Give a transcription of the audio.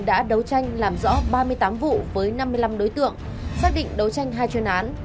đã đấu tranh làm rõ ba mươi tám vụ với năm mươi năm đối tượng xác định đấu tranh hai chuyên án